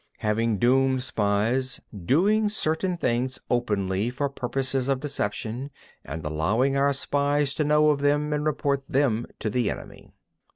12. Having doomed spies, doing certain things openly for purposes of deception, and allowing our own spies to know of them and report them to the enemy.